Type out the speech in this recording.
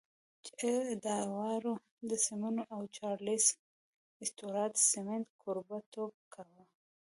جې اډوارډ سيمونز او چارليس سټيوارټ سميت کوربهتوب کاوه.